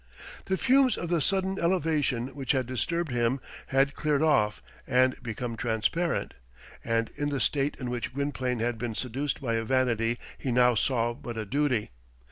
The fumes of the sudden elevation which had disturbed him had cleared off and become transparent, and in the state in which Gwynplaine had been seduced by a vanity he now saw but a duty.